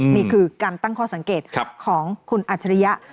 นี่คือการตั้งข้อสังเกตของคุณอัจฉริยะ